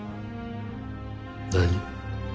何？